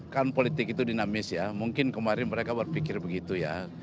kan politik itu dinamis ya mungkin kemarin mereka berpikir begitu ya